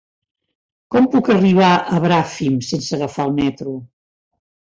Com puc arribar a Bràfim sense agafar el metro?